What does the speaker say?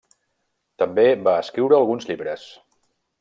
També va escriure alguns llibres.